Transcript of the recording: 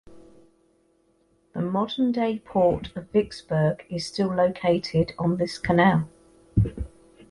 The modern-day port of Vicksburg is still located on this canal.